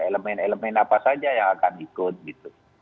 elemen elemen apa saja yang akan ikut gitu